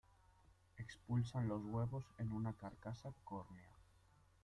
Expulsan los huevos en una carcasa córnea.